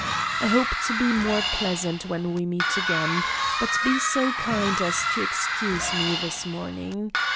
I hope to be more pleasant when we meet again, but be so kind as to excuse me this morning.